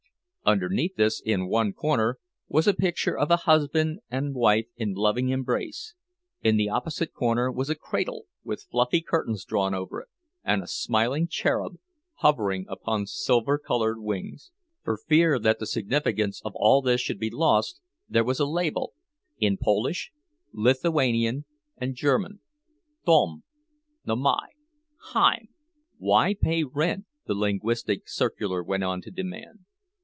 Underneath this, in one corner, was a picture of a husband and wife in loving embrace; in the opposite corner was a cradle, with fluffy curtains drawn over it, and a smiling cherub hovering upon silver colored wings. For fear that the significance of all this should be lost, there was a label, in Polish, Lithuanian, and German—"Dom. Namai. Heim." "Why pay rent?" the linguistic circular went on to demand.